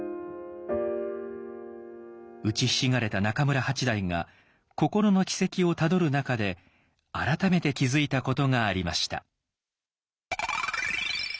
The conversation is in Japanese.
うちひしがれた中村八大が心の軌跡をたどる中で改めて気付いたことがありました。